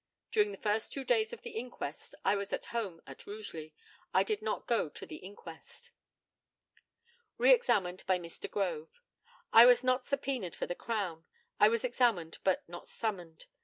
During the first two days of the inquest I was at home at Rugeley. I did not go to the inquest. Re examined by Mr. GROVE: I was not subpœned for the Crown; I was examined, but not summoned.